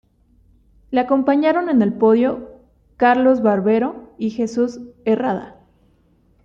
Le acompañaron en el podio Carlos Barbero y Jesús Herrada.